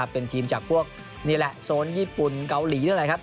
เป็นทีมจากพวกนี่แหละโซนญี่ปุ่นเกาหลีนั่นแหละครับ